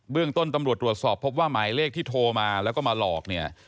เรื่องต้นตำรวจตรวจสอบพบว่าหมายเลขที่โทรมาแล้วก็มาหลอกเนี่ย